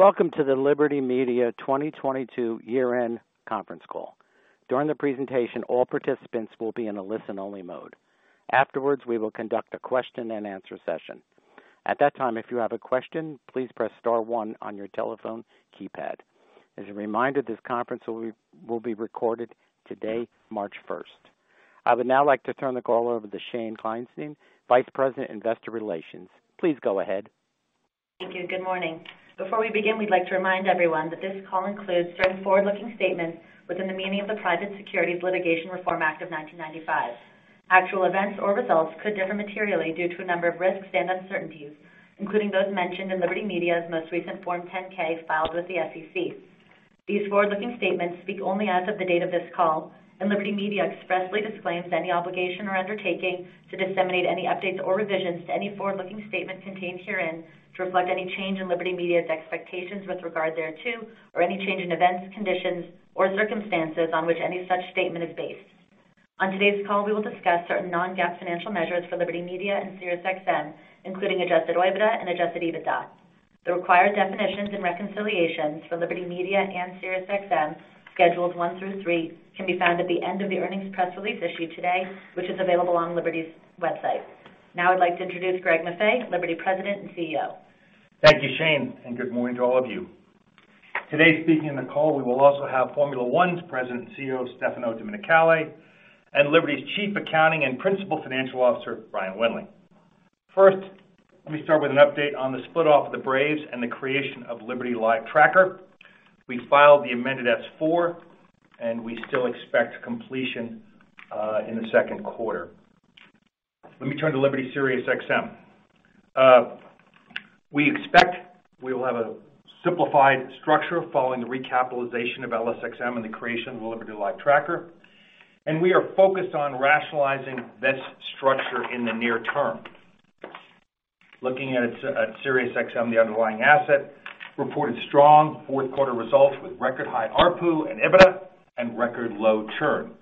Welcome to the Liberty Media 2022 year-end conference call. During the presentation, all participants will be in a listen-only mode. Afterwards, we will conduct a Q&A session. At that time, if you have a question, please press star one on your telephone keypad. As a reminder, this conference will be recorded today, March 1st. I would now like to turn the call over to Shane Kleinstein, Vice President, Investor Relations. Please go ahead. Thank you. Good morning. Before we begin, we'd like to remind everyone that this call includes certain forward-looking statements within the meaning of the Private Securities Litigation Reform Act of 1995. Actual events or results could differ materially due to a number of risks and uncertainties, including those mentioned in Liberty Media's most recent Form 10-K filed with the SEC. These forward-looking statements speak only as of the date of this call, and Liberty Media expressly disclaims any obligation or undertaking to disseminate any updates or revisions to any forward-looking statement contained herein to reflect any change in Liberty Media's expectations with regard thereto, or any change in events, conditions, or circumstances on which any such statement is based. On today's call, we will discuss certain non-GAAP financial measures for Liberty Media and SiriusXM, including adjusted OIBDA and adjusted EBITDA. The required definitions and reconciliations for Liberty Media and SiriusXM, Schedules one through three, can be found at the end of the earnings press release issued today, which is available on Liberty's website. Now I'd like to introduce Greg Maffei, Liberty President and CEO. Thank you, Shane. Good morning to all of you. Today, speaking on the call, we will also have Formula 1's President and CEO, Stefano Domenicali, and Liberty's Chief Accounting and Principal Financial Officer, Brian Wendling. First, let me start with an update on the split off of the Braves and the creation of Liberty Live Tracker. We filed the amended S-4, and we still expect completion in the second quarter. Let me turn to Liberty SiriusXM. We expect we will have a simplified structure following the recapitalization of LSXM and the creation of the Liberty Live Tracker, and we are focused on rationalizing this structure in the near term. Looking at SiriusXM, the underlying asset reported strong fourth quarter results with record high ARPU and EBITDA and record low churn.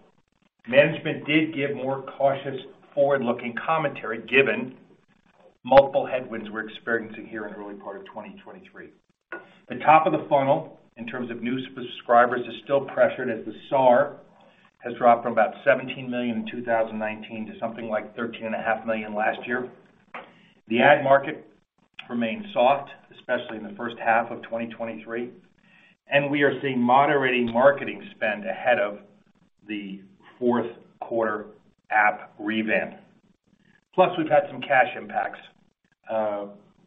Management did give more cautious forward-looking commentary, given multiple headwinds we're experiencing here in the early part of 2023. The top of the funnel in terms of new subscribers is still pressured as the SAR has dropped from about $17 million in 2019 to something like $13.5 million last year. The ad market remains soft, especially in the first half of 2023, and we are seeing moderating marketing spend ahead of the fourth quarter app revamp. Plus, we've had some cash impacts.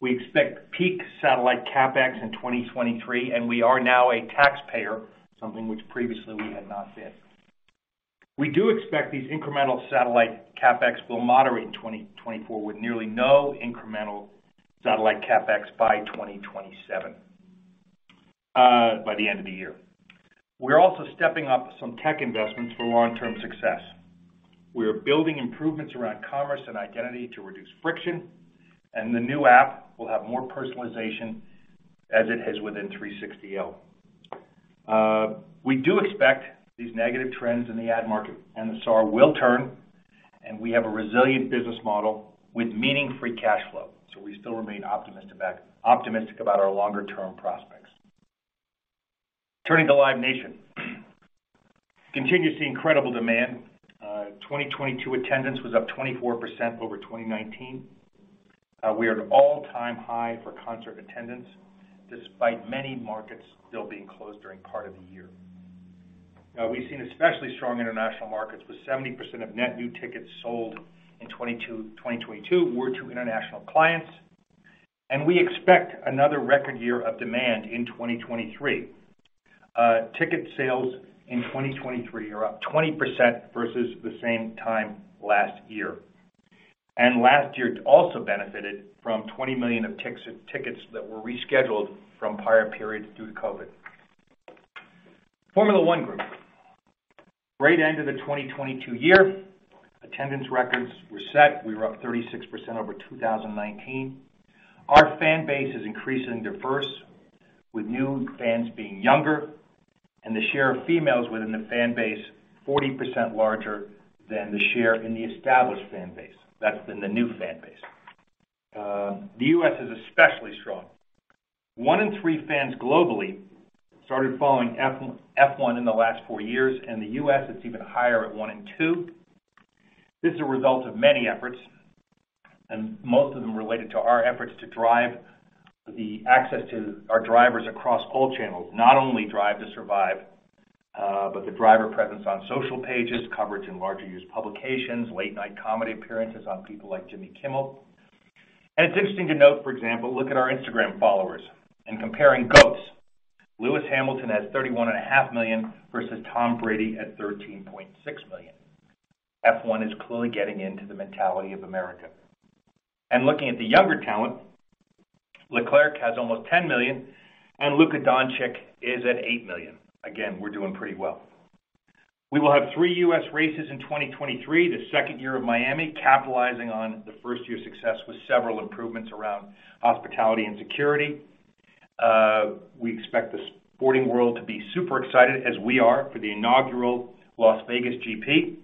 We expect peak satellite CapEx in 2023, and we are now a taxpayer, something which previously we had not been. We do expect these incremental satellite CapEx will moderate in 2024, with nearly no incremental satellite CapEx by 2027, by the end of the year. We're also stepping up some tech investments for long-term success. We are building improvements around commerce and identity to reduce friction, and the new app will have more personalization as it has within 360L. We do expect these negative trends in the ad market and the SAR will turn, and we have a resilient business model with meaning free cash flow. We still remain optimistic about our longer-term prospects. Turning to Live Nation. Continues the incredible demand. 2022 attendance was up 24% over 2019. We are at an all-time high for concert attendance, despite many markets still being closed during part of the year. We've seen especially strong international markets, with 70% of net new tickets sold in 2022 were to international clients, and we expect another record year of demand in 2023. Ticket sales in 2023 are up 20% versus the same time last year. Last year also benefited from $20 million tickets that were rescheduled from prior periods due to COVID. Formula 1 Group. Great end to the 2022 year. Attendance records were set. We were up 36% over 2019. Our fan base is increasingly diverse, with new fans being younger and the share of females within the fan base 40% larger than the share in the established fan base. That's in the new fan base. The U.S. is especially strong. One in three fans globally started following F1 in the last four years, and the U.S. is even higher at one in two. This is a result of many efforts, and most of them related to our efforts to drive the access to our drivers across all channels. Not only Drive to Survive, but the driver presence on social pages, coverage in larger news publications, late-night comedy appearances on people like Jimmy Kimmel. It's interesting to note, for example, look at our Instagram followers and comparing GOATs. Lewis Hamilton has 31.5 million, versus Tom Brady at 13.6 million. F1 is clearly getting into the mentality of America. Looking at the younger talent, Leclerc has almost 10 million, and Luka Dončić is at 8 million. Again, we're doing pretty well. We will have three U.S. races in 2023, the second year of Miami, capitalizing on the first year success with several improvements around hospitality and security. We expect the sporting world to be super excited, as we are, for the inaugural Las Vegas GP.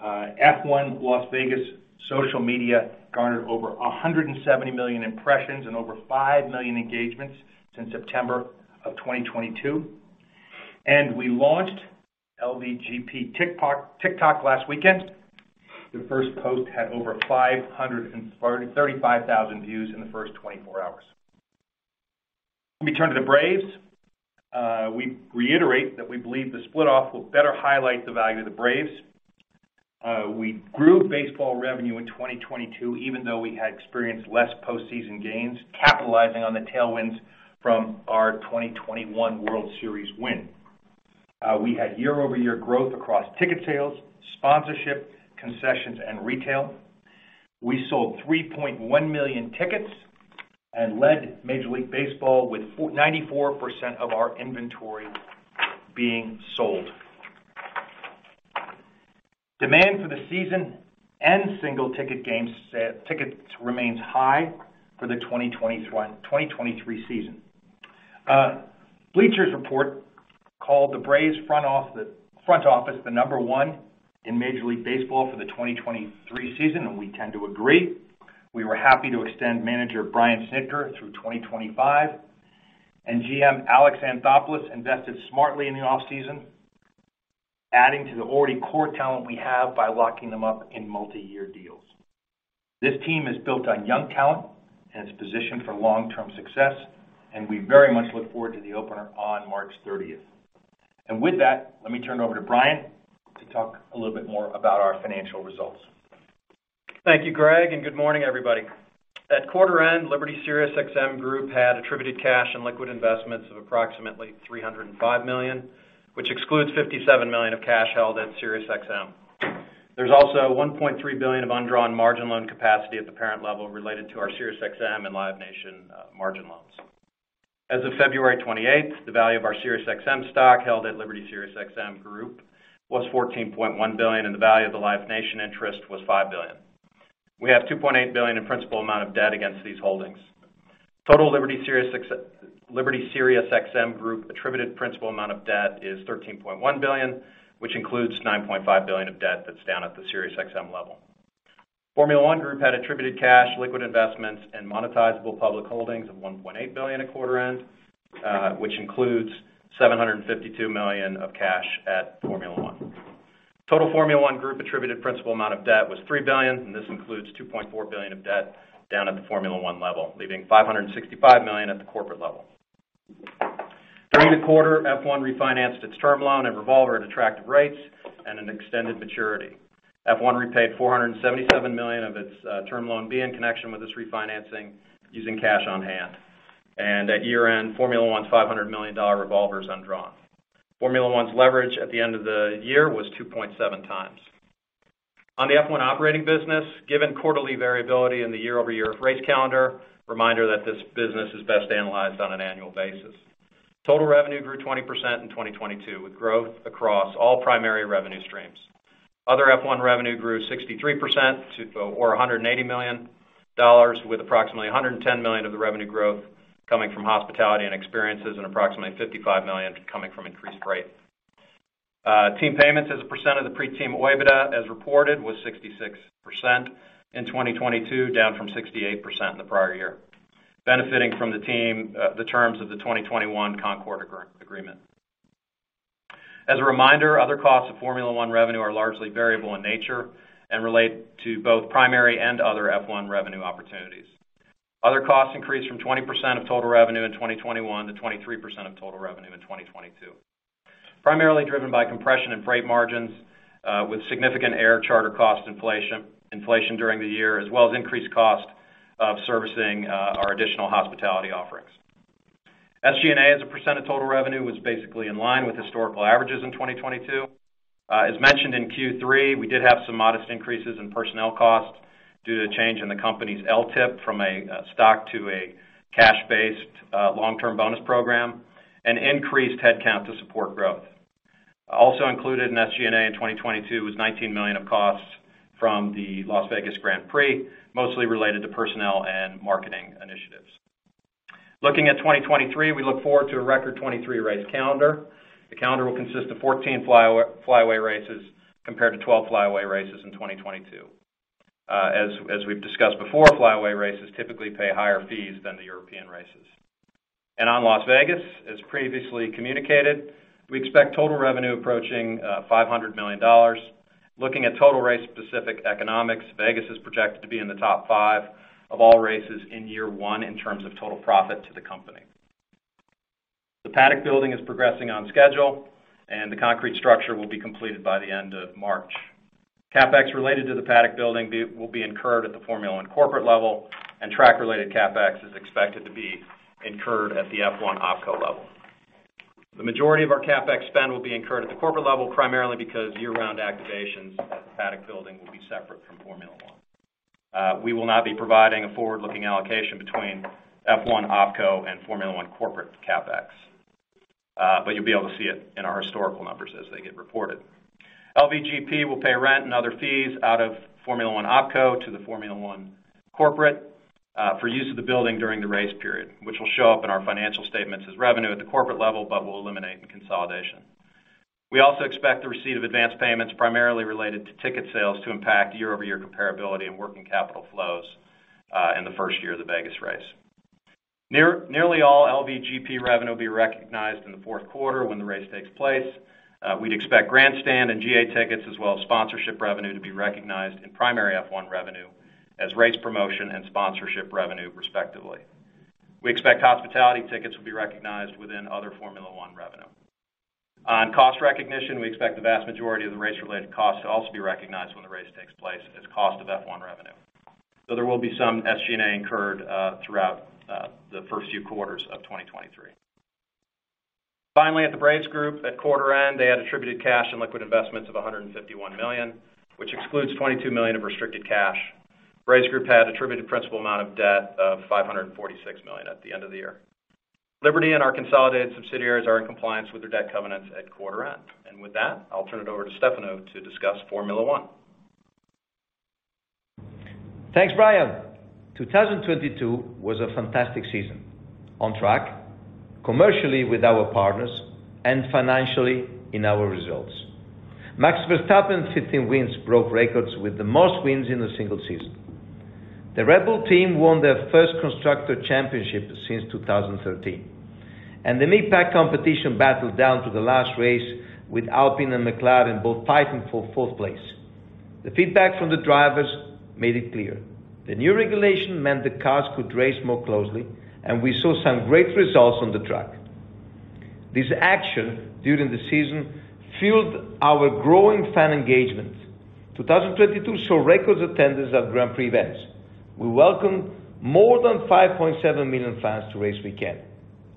F1 Las Vegas social media garnered over 170 million impressions and over 5 million engagements since September of 2022. We launched LVGP TikTok last weekend. The first post had over 535,000 views in the first 24 hours. Let me turn to the Braves. We reiterate that we believe the split-off will better highlight the value of the Braves. We grew baseball revenue in 2022 even though we had experienced less postseason gains, capitalizing on the tailwinds from our 2021 World Series win. We had year-over-year growth across ticket sales, sponsorship, concessions, and retail. We sold 3.1 million tickets and led Major League Baseball with 94% of our inventory being sold. Demand for the season and single ticket games tickets remains high for the 2023 season. Bleacher Report called the Braves front office the number one in Major League Baseball for the 2023 season, and we tend to agree. We were happy to extend manager Brian Snitker through 2025, and GM Alex Anthopoulos invested smartly in the off-season, adding to the already core talent we have by locking them up in multi-year deals. This team is built on young talent and is positioned for long-term success, and we very much look forward to the opener on March thirtieth. With that, let me turn it over to Brian to talk a little bit more about our financial results. Thank you, Greg. Good morning, everybody. At quarter end, Liberty SiriusXM Group had attributed cash and liquid investments of approximately $305 million, which excludes $57 million of cash held at SiriusXM. There's also $1.3 billion of undrawn margin loan capacity at the parent level related to our SiriusXM and Live Nation margin loans. As of February 28th, the value of our SiriusXM stock held at Liberty SiriusXM Group was $14.1 billion, and the value of the Live Nation interest was $5 billion. We have $2.8 billion in principal amount of debt against these holdings. Total Liberty SiriusXM Group attributed principal amount of debt is $13.1 billion, which includes $9.5 billion of debt that's down at the SiriusXM level. Formula 1 Group had attributed cash, liquid investments, and monetizable public holdings of $1.8 billion at quarter end, which includes $752 million of cash at Formula 1. Total Formula 1 Group attributed principal amount of debt was $3 billion, and this includes $2.4 billion of debt down at the Formula 1 level, leaving $565 million at the corporate level. During the quarter, F1 refinanced its Term Loan and revolver at attractive rates and an extended maturity. F1 repaid $477 million of its Term Loan B in connection with this refinancing using cash on hand. At year-end, Formula 1's $500 million revolver is undrawn. Formula 1's leverage at the end of the year was 2.7 times. On the F1 operating business, given quarterly variability in the year-over-year race calendar, reminder that this business is best analyzed on an annual basis. Total revenue grew 20% in 2022, with growth across all primary revenue streams. Other F1 revenue grew 63% or $180 million, with approximately $110 million of the revenue growth coming from hospitality and experiences and approximately $55 million coming from increased rate. Team payments as a percent of the pre-team OIBDA as reported was 66% in 2022, down from 68% in the prior year, benefiting from the team the terms of the 2021 Concorde Agreement. As a reminder, other costs of Formula 1 revenue are largely variable in nature and relate to both primary and other F1 revenue opportunities. Other costs increased from 20% of total revenue in 2021 to 23% of total revenue in 2022. Primarily driven by compression in freight margins, with significant air charter cost inflation during the year, as well as increased cost of servicing our additional hospitality offerings. SG&A, as a % of total revenue, was basically in line with historical averages in 2022. As mentioned in Q3, we did have some modest increases in personnel costs due to change in the company's LTIP from a stock to a cash-based long-term bonus program and increased headcount to support growth. Also included in SG&A in 2022 was $19 million of costs from the Las Vegas Grand Prix, mostly related to personnel and marketing initiatives. Looking at 2023, we look forward to a record 23 race calendar. The calendar will consist of 14 flyaway races compared to 12 flyaway races in 2022. As we've discussed before, flyaway races typically pay higher fees than the European races. On Las Vegas, as previously communicated, we expect total revenue approaching $500 million. Looking at total race specific economics, Vegas is projected to be in the top five of all races in year one in terms of total profit to the company. The paddock building is progressing on schedule, and the concrete structure will be completed by the end of March. CapEx related to the paddock building will be incurred at the Formula 1 corporate level, and track-related CapEx is expected to be incurred at the F1 OpCo level. The majority of our CapEx spend will be incurred at the corporate level, primarily because year-round activations at the paddock building will be separate from Formula 1. We will not be providing a forward-looking allocation between F1 OpCo and Formula 1 corporate CapEx. You'll be able to see it in our historical numbers as they get reported. LVGP will pay rent and other fees out of Formula 1 OpCo to the Formula 1 corporate. For use of the building during the race period, which will show up in our financial statements as revenue at the corporate level, but will eliminate in consolidation. We also expect the receipt of advanced payments primarily related to ticket sales to impact year-over-year comparability and working capital flows in the first year of the Vegas race. Nearly all LVGP revenue will be recognized in the fourth quarter when the race takes place. We'd expect grandstand and GA tickets as well as sponsorship revenue to be recognized in primary F1 revenue as race promotion and sponsorship revenue, respectively. We expect hospitality tickets will be recognized within other Formula 1 revenue. On cost recognition, we expect the vast majority of the race-related costs to also be recognized when the race takes place as cost of F1 revenue. There will be some SG&A incurred throughout the first few quarters of 2023. Finally, at the Braves Group, at quarter end, they had attributed cash and liquid investments of $151 million, which excludes $22 million of restricted cash. Braves Group had attributed principal amount of debt of $546 million at the end of the year. Liberty and our consolidated subsidiaries are in compliance with their debt covenants at quarter end. With that, I'll turn it over to Stefano to discuss Formula 1. Thanks, Brian. 2022 was a fantastic season on track, commercially with our partners, and financially in our results. Max Verstappen's 15 wins broke records with the most wins in a single season. The Red Bull team won their first Constructors' Championship since 2013, and the mid-pack competition battled down to the last race with Alpine and McLaren both fighting for fourth place. The feedback from the drivers made it clear. The new regulation meant the cars could race more closely, and we saw some great results on the track. This action during the season fueled our growing fan engagement. 2022 saw records attendance at Grand Prix events. We welcomed more than 5.7 million fans to race weekend,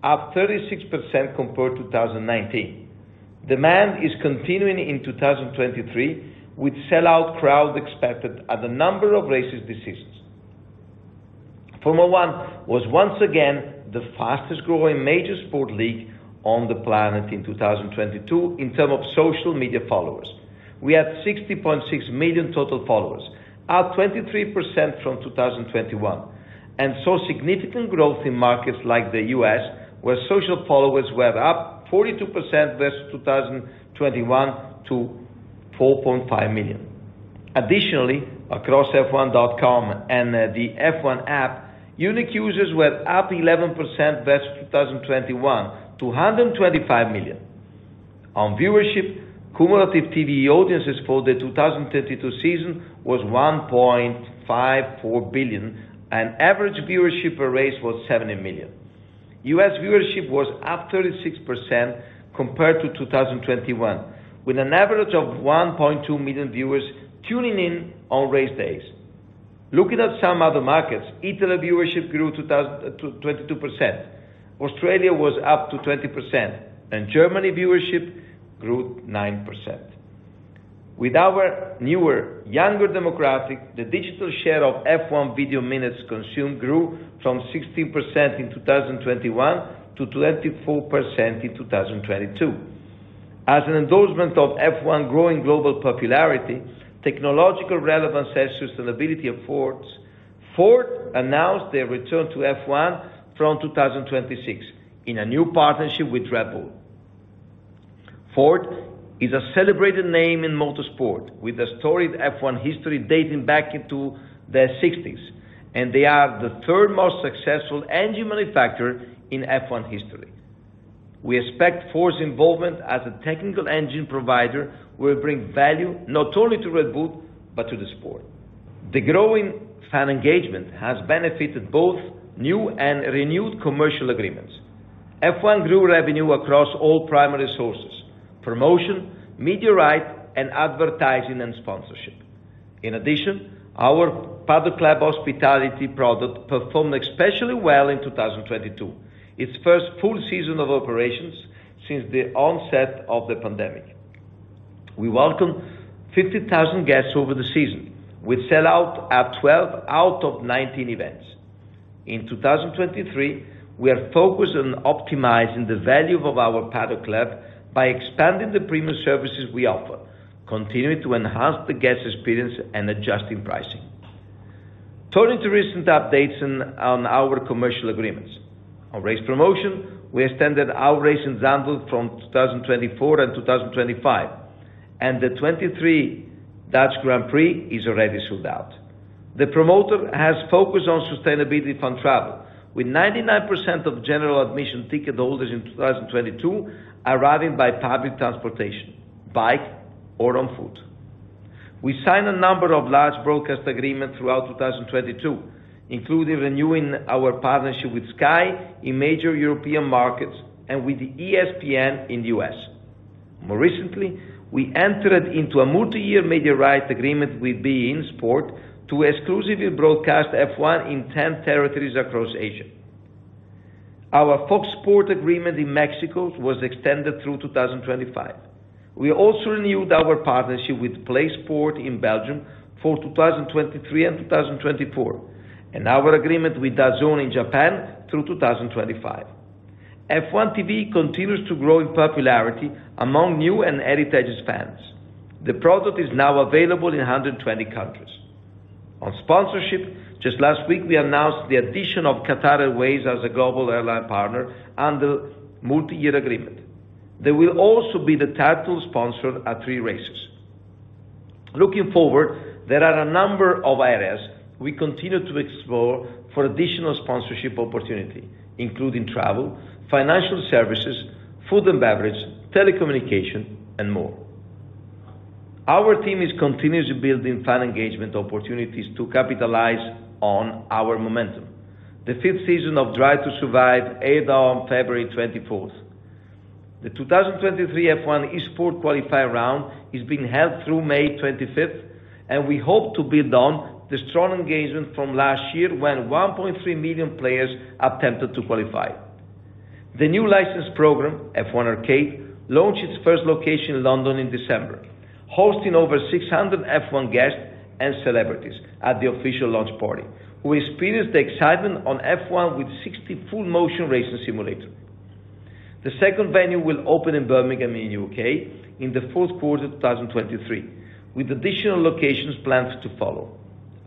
up 36% compared to 2019. Demand is continuing in 2023, with sellout crowd expected at a number of races this season. Formula 1 was once again the fastest-growing major sport league on the planet in 2022 in term of social media followers. We had 60.6 million total followers, up 23% from 2021, and saw significant growth in markets like the U.S., where social followers were up 42% versus 2021 to 4.5 million. Additionally, across f1.com and the F1 app, unique users were up 11% versus 2021 to 125 million. On viewership, cumulative TV audiences for the 2022 season was 1.54 billion, and average viewership per race was 70 million. U.S. viewership was up 36% compared to 2021, with an average of 1.2 million viewers tuning in on race days. Looking at some other markets, Italy viewership grew to 22%. Australia was up to 20%, Germany viewership grew 9%. With our newer, younger demographic, the digital share of F1 video minutes consumed grew from 16% in 2021 to 24% in 2022. As an endorsement of F1 growing global popularity, technological relevance, and sustainability efforts, Ford announced their return to F1 from 2026 in a new partnership with Red Bull. Ford is a celebrated name in motorsport, with a storied F1 history dating back into the 1960s, and they are the third most successful engine manufacturer in F1 history. We expect Ford's involvement as a technical engine provider will bring value not only to Red Bull, but to the sport. The growing fan engagement has benefited both new and renewed commercial agreements. F1 grew revenue across all primary sources, promotion, media right, and advertising and sponsorship. In addition, our Paddock Club hospitality product performed especially well in 2022, its first full season of operations since the onset of the pandemic. We welcome 50,000 guests over the season. We sell out at 12 out of 19 events. In 2023, we are focused on optimizing the value of our Paddock Club by expanding the premium services we offer, continuing to enhance the guest experience, and adjusting pricing. Turning to recent updates on our commercial agreements. On race promotion, we extended our race in Zandvoort from 2024 and 2025. The 2023 Dutch Grand Prix is already sold out. The promoter has focused on sustainability and travel, with 99% of general admission ticket holders in 2022 arriving by public transportation, bike or on foot. We signed a number of large broadcast agreements throughout 2022, including renewing our partnership with Sky in major European markets and with ESPN in the U.S. More recently, we entered into a multi-year media rights agreement with beIN SPORTS to exclusively broadcast F1 in 10 territories across Asia. Our FOX Sports agreement in Mexico was extended through 2025. We also renewed our partnership with Play Sports in Belgium for 2023 and 2024, and our agreement with DAZN in Japan through 2025. F1 TV continues to grow in popularity among new and heritage fans. The product is now available in 120 countries. On sponsorship, just last week, we announced the addition of Qatar Airways as a global airline partner under multi-year agreement. They will also be the title sponsor at three races. Looking forward, there are a number of areas we continue to explore for additional sponsorship opportunity, including travel, financial services, food and beverage, telecommunication, and more. Our team is continuously building fan engagement opportunities to capitalize on our momentum. The fifth season of Drive to Survive aired on February 24th. The 2023 F1 Esports qualifier round is being held through May 25th. We hope to build on the strong engagement from last year when 1.3 million players attempted to qualify. The new license program, F1 Arcade, launched its first location in London in December, hosting over 600 F1 guests and celebrities at the official launch party, who experienced the excitement on F1 with 60 full motion racing simulators. The second venue will open in Birmingham in U.K. in the fourth quarter of 2023, with additional locations planned to follow.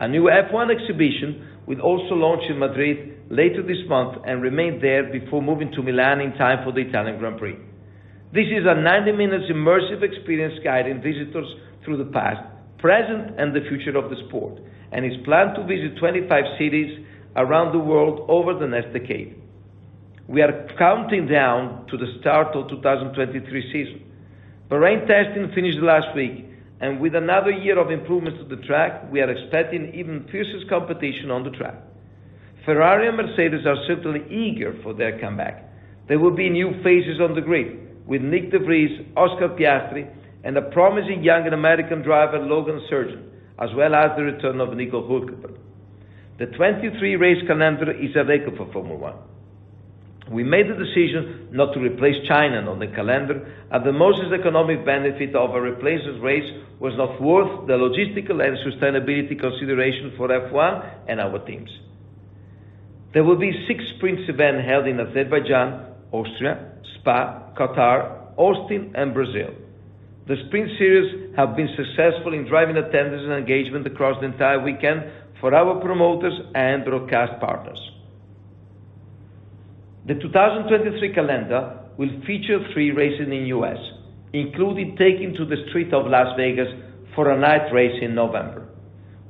A new F1 exhibition will also launch in Madrid later this month and remain there before moving to Milan in time for the Italian Grand Prix. This is a 90 minutes immersive experience guiding visitors through the past, present, and the future of the sport, is planned to visit 25 cities around the world over the next decade. We are counting down to the start of 2023 season. Bahrain testing finished last week, with another year of improvements to the track, we are expecting even fiercest competition on the track. Ferrari and Mercedes are certainly eager for their comeback. There will be new faces on the grid with Nyck de Vries, Oscar Piastri, and a promising young American driver, Logan Sargeant, as well as the return of Nico Hülkenberg. The 23 race calendar is a record for Formula 1. We made the decision not to replace China on the calendar, as the most economic benefit of a replacement race was not worth the logistical and sustainability consideration for F1 and our teams. There will be six sprint events held in Azerbaijan, Austria, Spa, Qatar, Austin, and Brazil. The sprint series have been successful in driving attendance and engagement across the entire weekend for our promoters and broadcast partners. The 2023 calendar will feature three races in U.S., including taking to the street of Las Vegas for a night race in November.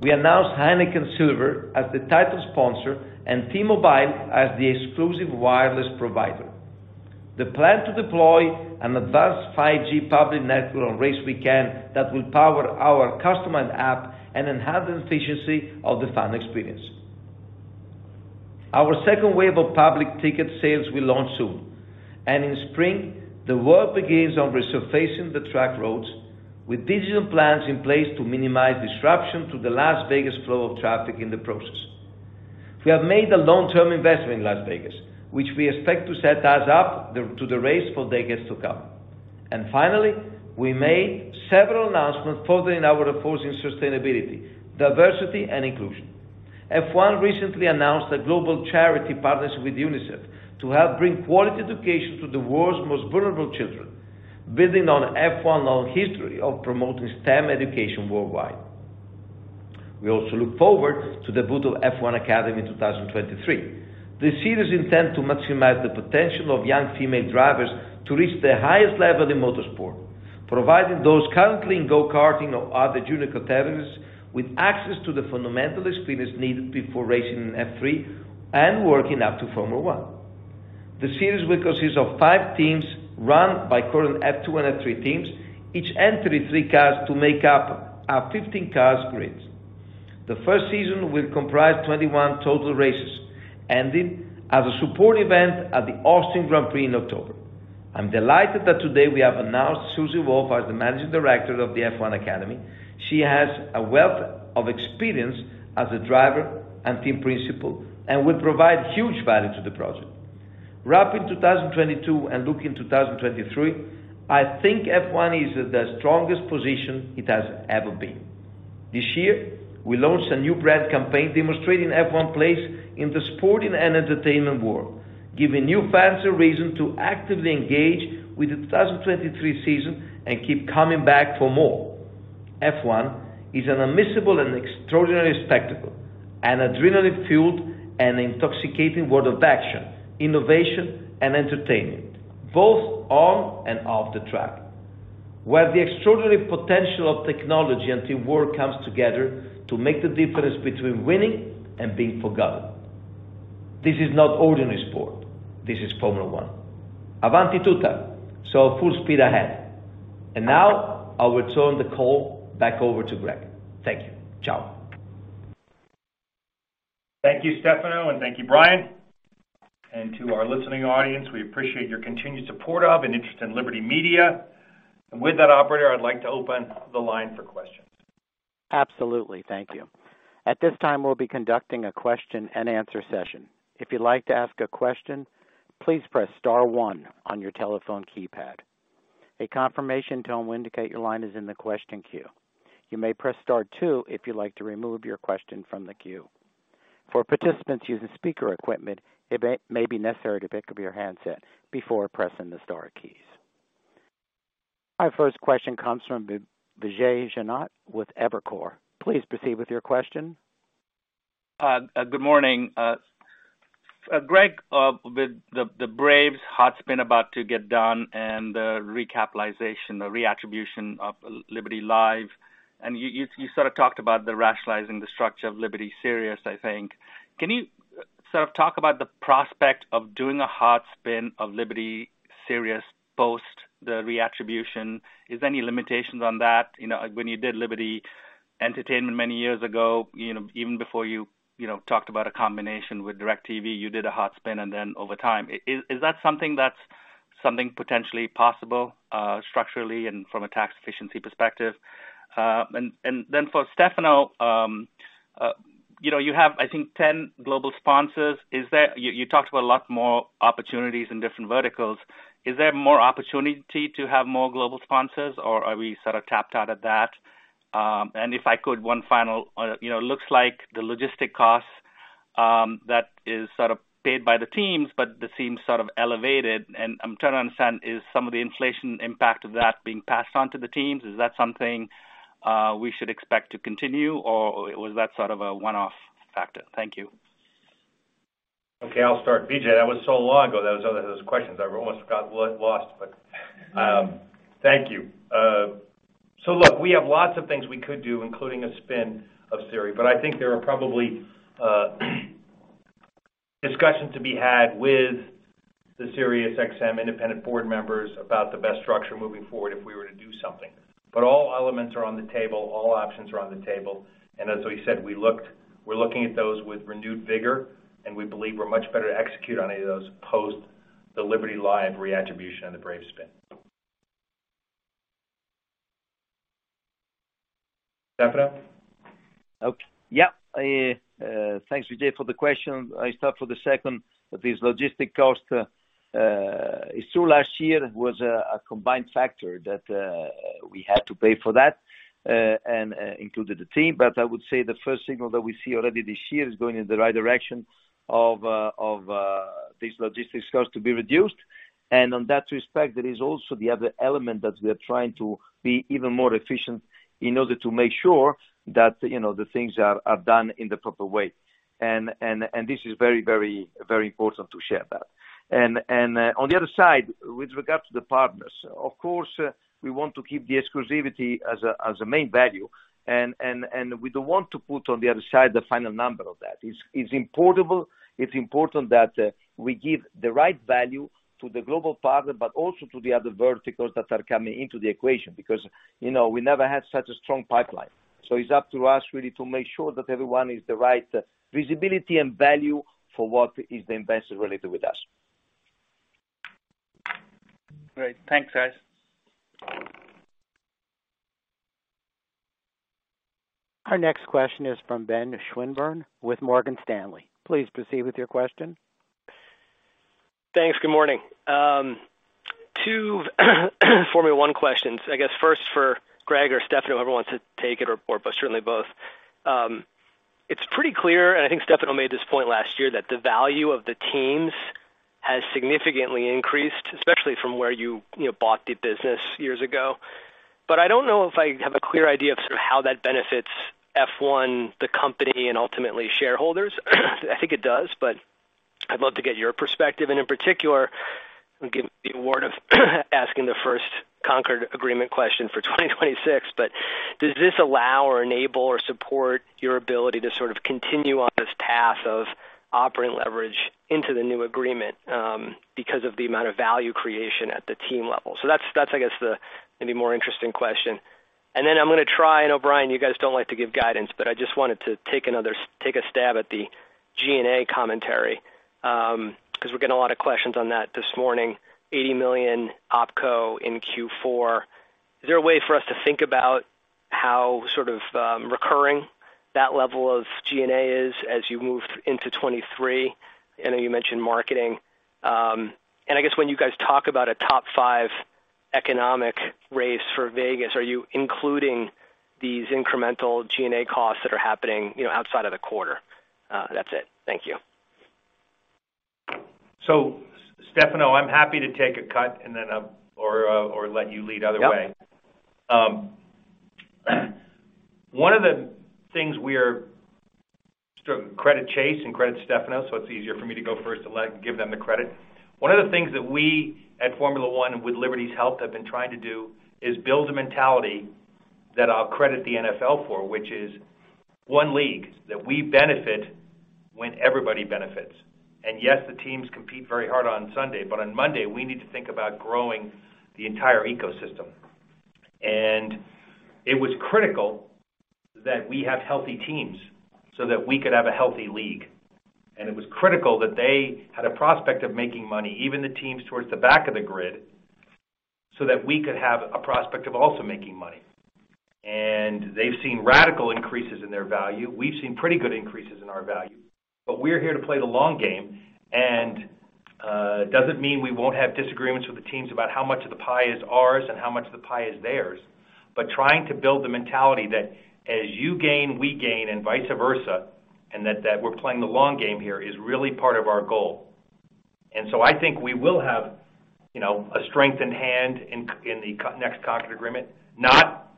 We announced Heineken Silver as the title sponsor and T-Mobile as the exclusive wireless provider. The plan to deploy an advanced 5G public network on race weekend that will power our customized app and enhance the efficiency of the fan experience. Our second wave of public ticket sales will launch soon. In spring, the work begins on resurfacing the track roads with digital plans in place to minimize disruption to the Las Vegas flow of traffic in the process. We have made a long-term investment in Las Vegas, which we expect to set us up to the race for decades to come. Finally, we made several announcements furthering our efforts in sustainability, diversity, and inclusion. F1 recently announced a global charity partnership with UNICEF to help bring quality education to the world's most vulnerable children, building on F1 long history of promoting STEM education worldwide. We also look forward to the boot of F1 Academy in 2023. The series intend to maximize the potential of young female drivers to reach their highest level in motorsport, providing those currently in go-karting or other junior categories with access to the fundamental experience needed before racing in F3 and working up to Formula 1. The series will consist of five teams run by current F2 and F3 teams, each entering three cars to make up our 15 cars grids. The first season will comprise 21 total races, ending as a support event at the Austin Grand Prix in October. I'm delighted that today we have announced Susie Wolff as the managing director of the F1 Academy. She has a wealth of experience as a driver and team principal and will provide huge value to the project. Wrapping 2022 and looking 2023, I think F1 is at the strongest position it has ever been. This year, we launched a new brand campaign demonstrating F1 place in the sporting and entertainment world, giving new fans a reason to actively engage with the 2023 season and keep coming back for more. F1 is an unmissable and extraordinary spectacle, an adrenaline-fueled and intoxicating world of action, innovation, and entertainment, both on and off the track, where the extraordinary potential of technology and teamwork comes together to make the difference between winning and being forgotten. This is not ordinary sport. This is Formula 1. Avanti tutta. Full speed ahead. Now I will turn the call back over to Greg. Thank you. Ciao. Thank you, Stefano, and thank you, Brian. To our listening audience, we appreciate your continued support of and interest in Liberty Media. With that operator, I'd like to open the line for questions. Absolutely. Thank you. At this time, we'll be conducting a Q&A session. If you'd like to ask a question, please press star one on your telephone keypad. A confirmation tone will indicate your line is in the question queue. You may press star two if you'd like to remove your question from the queue. For participants using speaker equipment, it may be necessary to pick up your handset before pressing the star keys. Our first question comes from Vijay Jayant with Evercore. Please proceed with your question. Good morning. Greg, with the Braves hot spin about to get done and the recapitalization, the reattribution of Liberty Live, and you sort of talked about the rationalizing the structure of Liberty Sirius, I think. Can you sort of talk about the prospect of doing a hot spin of Liberty Sirius post the reattribution? Is there any limitations on that? You know, when you did Liberty Entertainment many years ago, you know, even before you know, talked about a combination with DIRECTV, you did a hot spin and then over time. Is that something that's something potentially possible, structurally and from a tax efficiency perspective? And then for Stefano, you know, you have, I think, 10 global sponsors. You talked about a lot more opportunities in different verticals. Is there more opportunity to have more global sponsors or are we sort of tapped out of that? If I could, one final. You know, looks like the logistic costs, that is sort of paid by the teams, but that seems sort of elevated. I'm trying to understand, is some of the inflation impact of that being passed on to the teams? Is that something we should expect to continue, or was that sort of a one-off factor? Thank you. Okay, I'll start. Vijay, that was so long ago. Those questions, I almost got lost. Thank you. Look, we have lots of things we could do, including a spin of Sirius. I think there are probably discussion to be had with the SiriusXM independent board members about the best structure moving forward if we were to do something. All elements are on the table, all options are on the table. As we said, we're looking at those with renewed vigor, and we believe we're much better to execute on any of those post the Liberty Live reattribution and the Braves spin. Stefano? Okay. Yeah. Thanks, Vijay, for the question. I'll start for the second. These logistic costs, it's true last year was a combined factor that we had to pay for that and included the team. I would say the first signal that we see already this year is going in the right direction of these logistics costs to be reduced. On that respect, there is also the other element that we're trying to be even more efficient in order to make sure that, you know, the things are done in the proper way. This is very, very, very important to share that. On the other side, with regards to the partners, of course, we want to keep the exclusivity as a main value. We don't want to put on the other side the final number of that. It's important that we give the right value to the global partner, but also to the other verticals that are coming into the equation, because, you know, we never had such a strong pipeline. It's up to us really to make sure that everyone is the right visibility and value for what is the investment related with us. Great. Thanks, guys. Our next question is from Ben Swinburne with Morgan Stanley. Please proceed with your question. Thanks. Good morning. Two Formula 1 questions. I guess first for Greg or Stefano, whoever wants to take it or both, but certainly both. It's pretty clear, and I think Stefano made this point last year, that the value of the teams has significantly increased, especially from where you know, bought the business years ago. I don't know if I have a clear idea of sort of how that benefits F1, the company and ultimately shareholders. I think it does, but I'd love to get your perspective. In particular, I'm given the award of asking the first Concorde Agreement question for 2026. Does this allow or enable or support your ability to sort of continue on this path of operating leverage into the new agreement, because of the amount of value creation at the team level? That's I guess the maybe more interesting question. Then I'm gonna try, I know Brian Wendling, you guys don't like to give guidance, but I just wanted to take a stab at the G&A commentary, 'cause we're getting a lot of questions on that this morning. $80 million OpCo in Q4. Is there a way for us to think about how sort of recurring that level of G&A is as you move into 2023? I know you mentioned marketing. I guess when you guys talk about a top five economic race for Vegas, are you including these incremental G&A costs that are happening, you know, outside of the quarter? That's it. Thank you. Stefano, I'm happy to take a cut and then, or let you lead other way. Yep. One of the things we are. Credit Chase and credit Stefano, so it's easier for me to go first and give them the credit. One of the things that we at Formula 1 with Liberty's help have been trying to do is build a mentality that I'll credit the NFL for, which is one league that we benefit when everybody benefits. Yes, the teams compete very hard on Sunday, but on Monday, we need to think about growing the entire ecosystem. It was critical that we have healthy teams so that we could have a healthy league. It was critical that they had a prospect of making money, even the teams towards the back of the grid, so that we could have a prospect of also making money. They've seen radical increases in their value. We've seen pretty good increases in our value, but we're here to play the long game. Doesn't mean we won't have disagreements with the teams about how much of the pie is ours and how much of the pie is theirs. Trying to build the mentality that as you gain, we gain, and vice versa, and that we're playing the long game here is really part of our goal. I think we will have, you know, a strengthened hand in the next Concorde Agreement, not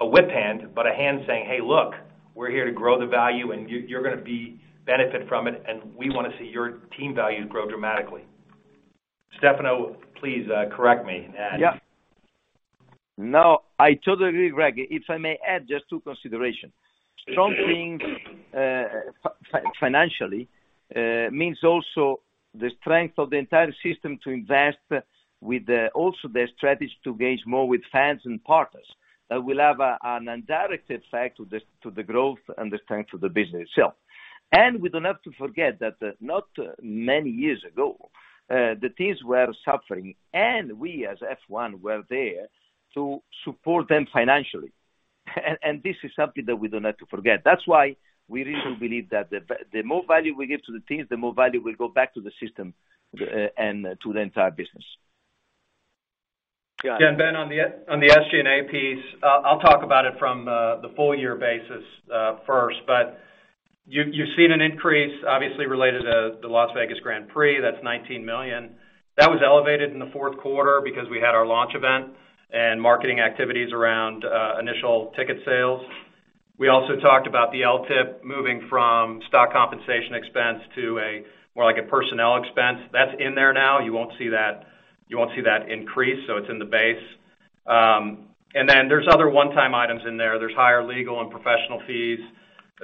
a whip hand, but a hand saying, "Hey, look, we're here to grow the value and you're gonna be benefit from it, and we wanna see your team values grow dramatically." Stefano, please, correct me. Yeah. No, I totally agree, Greg. If I may add just two consideration. Strong teams, financially, means also the strength of the entire system to invest with the also the strategy to engage more with fans and partners that will have an indirect effect to the, to the growth and the strength of the business itself. We don't have to forget that, not many years ago, the teams were suffering, and we, as F1, were there to support them financially. This is something that we don't have to forget. That's why we really believe that the more value we give to the teams, the more value will go back to the system, and to the entire business. Ben, on the SG&A piece, I'll talk about it from the full year basis first. You've seen an increase obviously related to the Las Vegas Grand Prix, that's $19 million. That was elevated in the fourth quarter because we had our launch event and marketing activities around initial ticket sales. We also talked about the LTIP moving from stock compensation expense to a more like a personnel expense. That's in there now. You won't see that increase, so it's in the base. Then there's other one-time items in there. There's higher legal and professional fees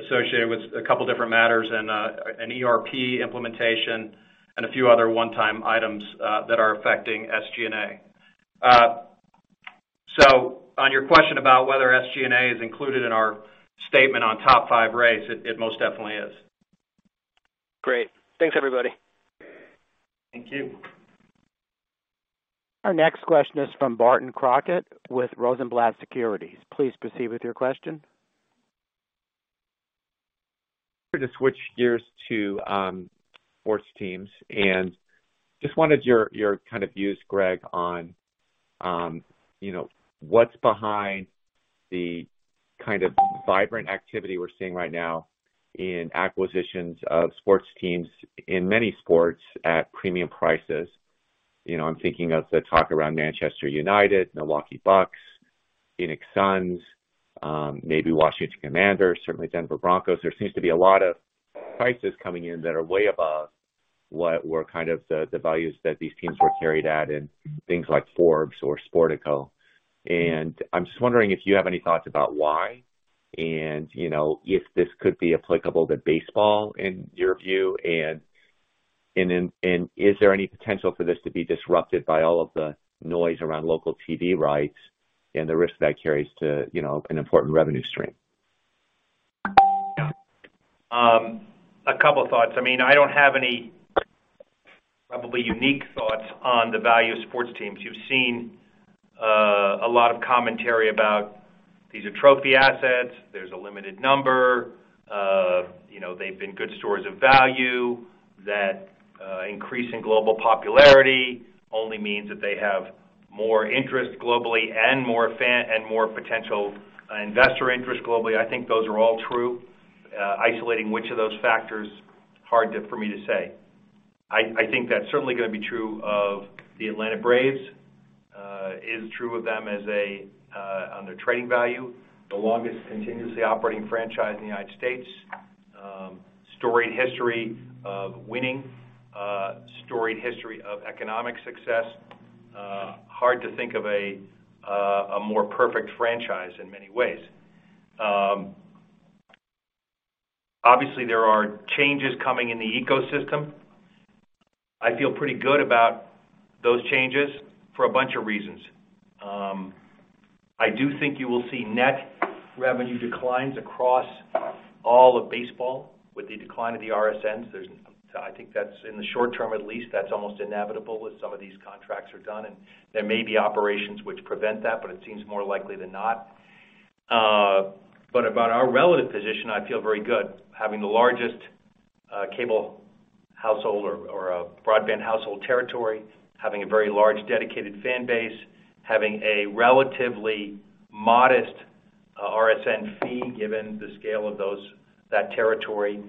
associated with a couple different matters and an ERP implementation and a few other one-time items that are affecting SG&A. On your question about whether SG&A is included in our statement on top five race, it most definitely is. Great. Thanks, everybody. Thank you. Our next question is from Barton Crockett with Rosenblatt Securities. Please proceed with your question. To switch gears to sports teams and just wanted your kind of views, Greg, on, you know, what's behind the kind of vibrant activity we're seeing right now in acquisitions of sports teams in many sports at premium prices. You know, I'm thinking of the talk around Manchester United, Milwaukee Bucks, Phoenix Suns, maybe Washington Commanders, certainly Denver Broncos. There seems to be a lot of prices coming in that are way above what were kind of the values that these teams were carried at in things like Forbes or Sportico. I'm just wondering if you have any thoughts about why. You know, if this could be applicable to baseball in your view, and then, and is there any potential for this to be disrupted by all of the noise around local TV rights and the risk that carries to, you know, an important revenue stream? A couple thoughts. I mean, I don't have any probably unique thoughts on the value of sports teams. You've seen a lot of commentary about these are trophy assets. There's a limited number. You know, they've been good stores of value. That increase in global popularity only means that they have more interest globally and more potential investor interest globally. I think those are all true. Isolating which of those factors, hard to, for me to say. I think that's certainly gonna be true of the Atlanta Braves. Is true of them as a on their trading value, the longest continuously operating franchise in the United States. Storied history of winning. Storied history of economic success. Hard to think of a a more perfect franchise in many ways. Obviously there are changes coming in the ecosystem. I feel pretty good about those changes for a bunch of reasons. I do think you will see net revenue declines across all of baseball with the decline of the RSNs. I think that's in the short term at least, that's almost inevitable with some of these contracts are done, and there may be operations which prevent that, but it seems more likely than not. About our relative position, I feel very good having the largest, cable household or a broadband household territory, having a very large dedicated fan base, having a relatively modest, RSN fee given the scale of those, that territory.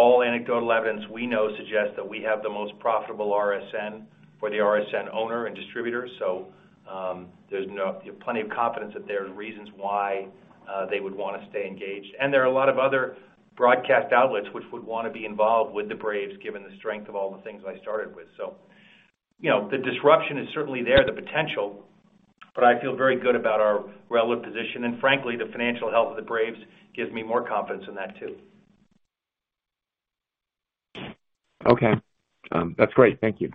All anecdotal evidence we know suggests that we have the most profitable RSN for the RSN owner and distributor. There's no plenty of confidence that there are reasons why they would wanna stay engaged. There are a lot of other broadcast outlets which would wanna be involved with the Braves given the strength of all the things I started with. You know, the disruption is certainly there, the potential, but I feel very good about our relative position. Frankly, the financial health of the Braves gives me more confidence in that too. Okay. That's great. Thank you.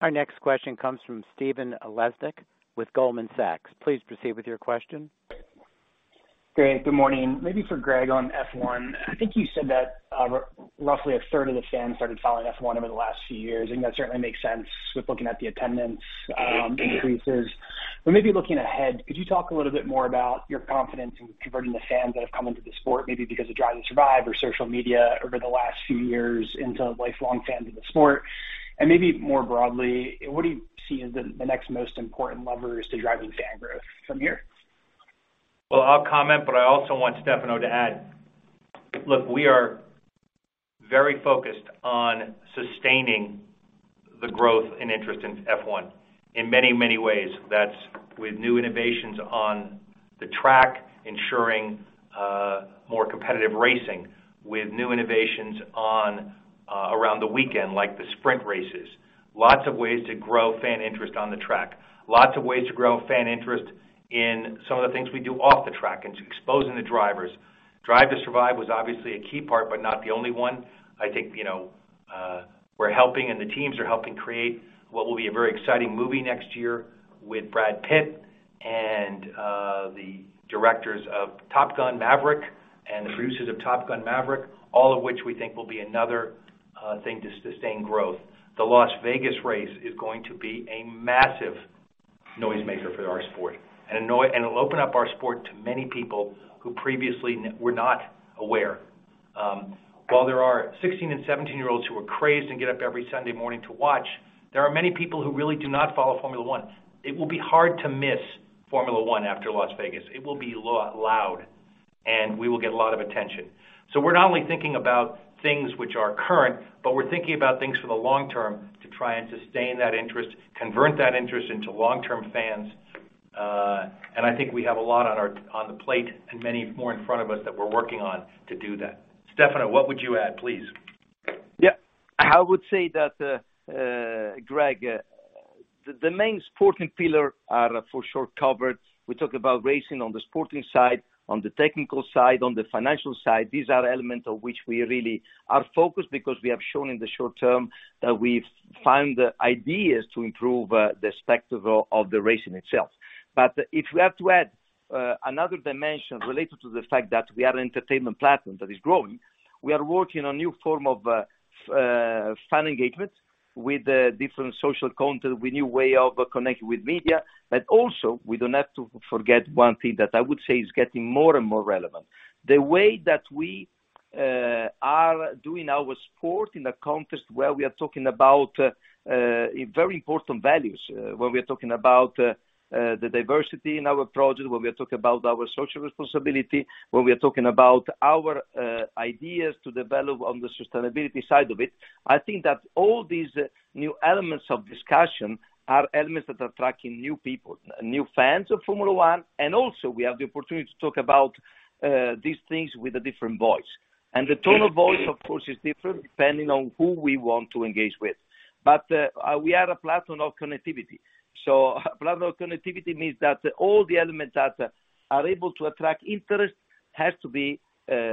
Our next question comes from Stephen Laszczyk with Goldman Sachs. Please proceed with your question. Great. Good morning. Maybe for Greg on F1. I think you said that roughly a third of the fans started following F1 over the last few years, and that certainly makes sense with looking at the attendance increases. Maybe looking ahead, could you talk a little bit more about your confidence in converting the fans that have come into the sport, maybe because of Drive to Survive or social media over the last few years into lifelong fans of the sport? Maybe more broadly, what do you see as the next most important levers to driving fan growth from here? Well, I'll comment, but I also want Stefano to add. Look, we are very focused on sustaining the growth and interest in F1 in many, many ways. That's with new innovations on the track, ensuring more competitive racing with new innovations on around the weekend, like the sprint races. Lots of ways to grow fan interest on the track. Lots of ways to grow fan interest in some of the things we do off the track and exposing the drivers. Drive to Survive was obviously a key part, but not the only one. I think, you know, we're helping, and the teams are helping create what will be a very exciting movie next year with Brad Pitt and the directors of Top Gun: Maverick and the producers of Top Gun: Maverick, all of which we think will be another thing to sustain growth. The Las Vegas race is going to be a massive noise maker for our sport. It'll open up our sport to many people who previously were not aware. While there are 16 and 17-year-olds who are crazed and get up every Sunday morning to watch, there are many people who really do not Formula 1. It will be hard to Formula 1 after Las Vegas. It will be loud, and we will get a lot of attention. We're not only thinking about things which are current, but we're thinking about things for the long term to try and sustain that interest, convert that interest into long-term fans. I think we have a lot on our, on the plate and many more in front of us that we're working on to do that. Stefano, what would you add, please? Yeah. I would say that Greg, the main sporting pillar are for sure covered. We talk about racing on the sporting side, on the technical side, on the financial side. These are elements of which we really are focused because we have shown in the short term that we've found ideas to improve the spectacle of the racing itself. If we have to add another dimension related to the fact that we are an entertainment platform that is growing, we are working on new form of fan engagement with different social content, with new way of connecting with media. Also, we don't have to forget one thing that I would say is getting more and more relevant. The way that we are doing our sport in a context where we are talking about very important values, when we're talking about the diversity in our project, when we are talking about our social responsibility, when we are talking about our ideas to develop on the sustainability side of it. I think that all these new elements of discussion are elements that are attracting new people, new fans Formula 1. Also we have the opportunity to talk about these things with a different voice. The tone of voice, of course, is different depending on who we want to engage with. We are a platform of connectivity. Platform of connectivity means that all the elements that are able to attract interest has to be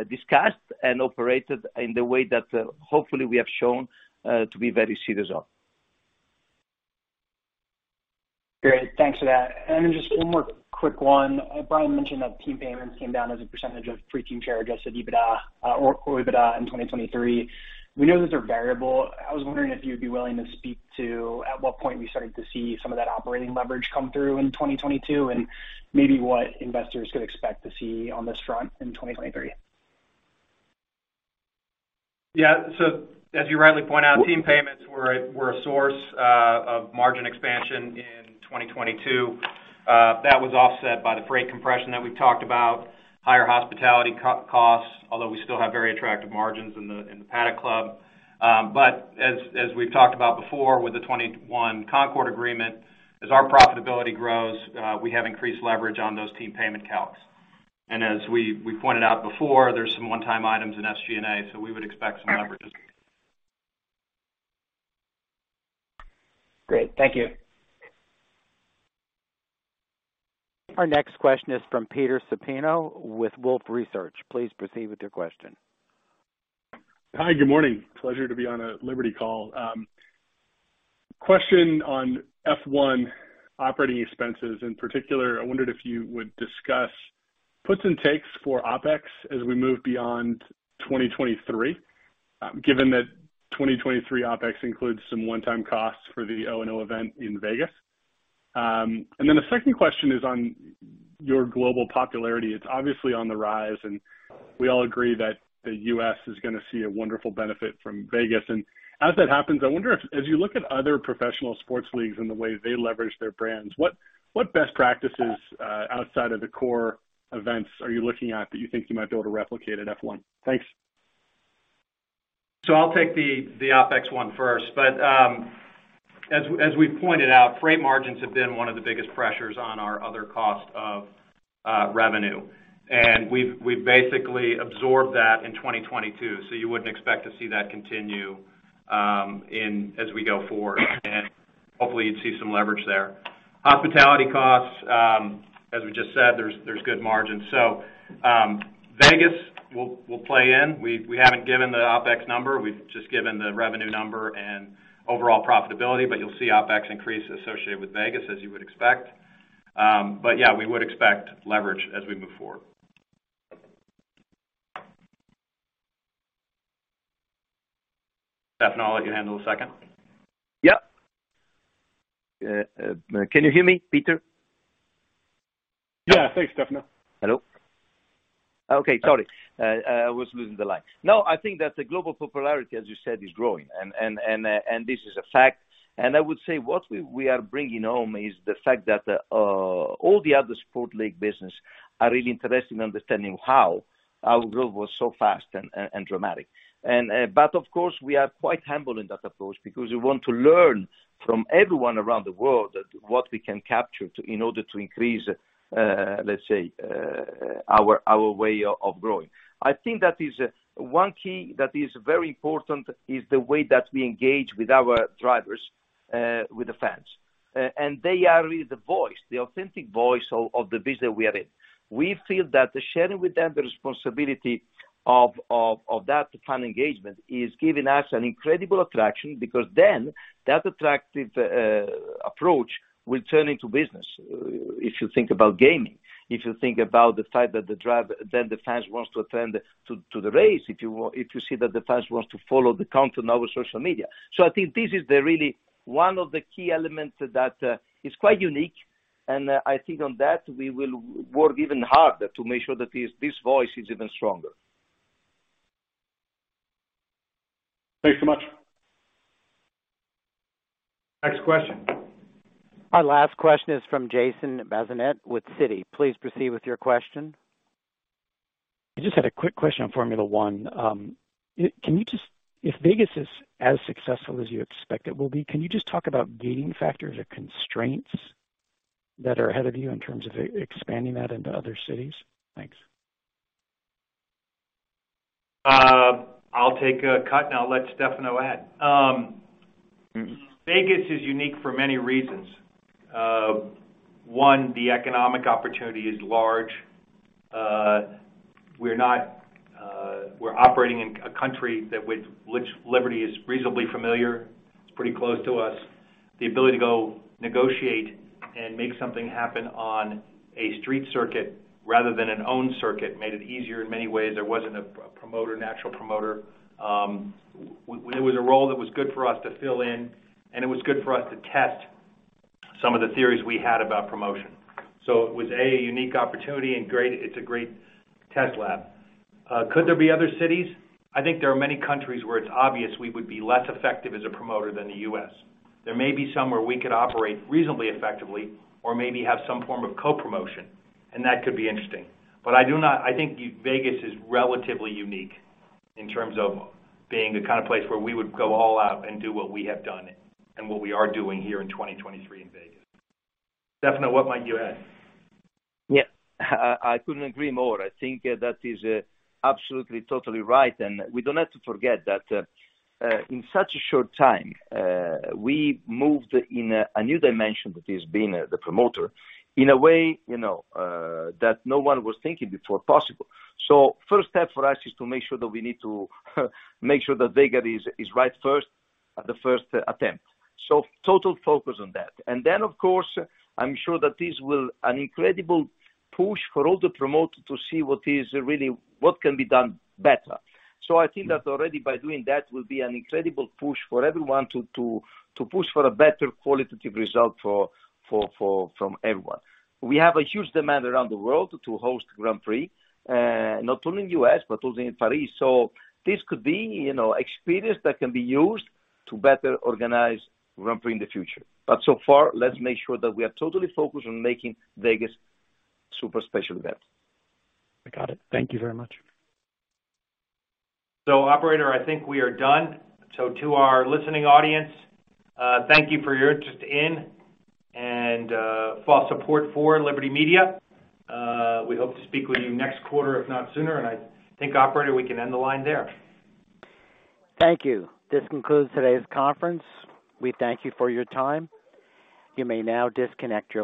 discussed and operated in the way that hopefully we have shown to be very serious on. Great. Thanks for that. Just one more quick one. Brian mentioned that team payments came down as a percent of free team share adjusted EBITDA or EBITDA in 2023. We know those are variable. I was wondering if you'd be willing to speak to at what point you started to see some of that operating leverage come through in 2022 and maybe what investors could expect to see on this front in 2023. Yeah. As you rightly point out, team payments were a source of margin expansion in 2022. That was offset by the freight compression that we talked about, higher hospitality co-costs, although we still have very attractive margins in the Paddock Club. But as we've talked about before with the 2021 Concorde Agreement, as our profitability grows, we have increased leverage on those team payment calcs. As we pointed out before, there's some one-time items in SG&A, we would expect some leverage. Great. Thank you. Our next question is from Peter Supino with Wolfe Research. Please proceed with your question. Hi, good morning. Pleasure to be on a Liberty call. Question on F1 operating expenses. In particular, I wondered if you would discuss puts and takes for OpEx as we move beyond 2023, given that 2023 OpEx includes some one-time costs for the O&O event in Vegas. The second question is on your global popularity. It's obviously on the rise, and we all agree that the US is gonna see a wonderful benefit from Vegas. As that happens, I wonder if as you look at other professional sports leagues and the way they leverage their brands, what best practices, outside of the core events are you looking at that you think you might be able to replicate at F1? Thanks. I'll take the OpEx one first. As we pointed out, freight margins have been one of the biggest pressures on our other cost of revenue. We've basically absorbed that in 2022, so you wouldn't expect to see that continue as we go forward, and hopefully you'd see some leverage there. Hospitality costs, as we just said, there's good margins. Vegas will play in. We haven't given the OpEx number. We've just given the revenue number and overall profitability, but you'll see OpEx increase associated with Vegas as you would expect. Yeah, we would expect leverage as we move forward. Stefano, I'll let you handle the second. Yeah. Can you hear me, Peter? Yeah. Thanks, Stefano. Hello. Okay, sorry. I was losing the line. No, I think that the global popularity, as you said, is growing and this is a fact. I would say what we are bringing home is the fact that all the other sport league business are really interested in understanding how our growth was so fast and dramatic. Of course, we are quite humble in that approach because we want to learn from everyone around the world that what we can capture in order to increase, let's say, our way of growing. I think that is one key that is very important is the way that we engage with our drivers, with the fans. They are really the voice, the authentic voice of the business we are in. We feel that sharing with them the responsibility of that fan engagement is giving us an incredible attraction because then that attractive approach will turn into business. If you think about gaming, if you think about the fact that the driver, then the fans wants to attend to the race, if you see that the fans wants to follow the count on our social media. I think this is the really one of the key elements that is quite unique. I think on that, we will work even harder to make sure that this voice is even stronger. Thanks so much. Next question. Our last question is from Jason Bazinet with Citi. Please proceed with your question. I just had a quick question on Formula 1. If Vegas is as successful as you expect it will be, can you just talk about gating factors or constraints that are ahead of you in terms of e-expanding that into other cities? Thanks. I'll take a cut, and I'll let Stefano add. Vegas is unique for many reasons. One, the economic opportunity is large. We're not, we're operating in a country that with which Liberty is reasonably familiar. It's pretty close to us. The ability to go negotiate and make something happen on a street circuit rather than an own circuit made it easier in many ways. There wasn't a promoter, natural promoter. Well, there was a role that was good for us to fill in, and it was good for us to test some of the theories we had about promotion. It was a unique opportunity and it's a great test lab. Could there be other cities? I think there are many countries where it's obvious we would be less effective as a promoter than the U.S. There may be some where we could operate reasonably effectively or maybe have some form of co-promotion, and that could be interesting. I think Vegas is relatively unique in terms of being the kind of place where we would go all out and do what we have done and what we are doing here in 2023 in Vegas. Stefano, what might you add? Yeah. I couldn't agree more. I think that is absolutely totally right. We don't have to forget that in such a short time, we moved in a new dimension that is being the promoter in a way, you know, that no one was thinking before possible. First step for us is to make sure that we need to make sure that Vegas is right first at the first attempt. Total focus on that. Then, of course, I'm sure that this will an incredible push for all the promoters to see what can be done better. I think that already by doing that will be an incredible push for everyone to push for a better qualitative result from everyone. We have a huge demand around the world to host Grand Prix, not only in U.S., but also in Paris. This could be, you know, experience that can be used to better organize Grand Prix in the future. So far, let's make sure that we are totally focused on making Vegas super special event. I got it. Thank you very much. Operator, I think we are done. To our listening audience, thank you for your interest in and for support for Liberty Media. We hope to speak with you next quarter, if not sooner. I think, operator, we can end the line there. Thank you. This concludes today's conference. We thank you for your time. You may now disconnect your line.